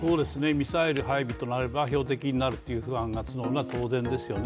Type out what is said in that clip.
ミサイル配備となれば標的になるという不安が募るのは当然ですよね。